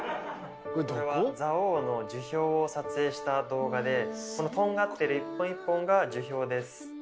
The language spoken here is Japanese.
これは蔵王の樹氷を撮影した動画でこのとんがってる一本一本が樹氷です。